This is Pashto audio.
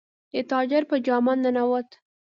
د تاجر په جامه ننووت.